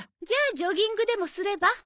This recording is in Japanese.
じゃあジョギングでもすれば？